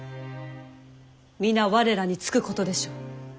皆我らにつくことでしょう。